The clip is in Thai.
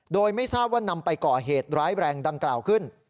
โดยไม่ทราบว่านำไปก่อเหตุร้ายแรงดังกล่าวขึ้น